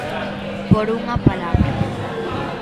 Por unha palabra.